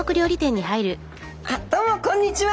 あっどうもこんにちは！